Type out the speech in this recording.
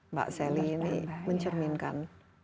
mbak selly ini mencerminkan